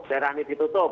daerah ini ditutup